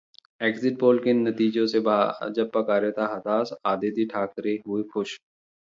exit poll के नतीजों से भाजपा कार्यकर्ता हताश, आदित्य ठाकरे हुए खुश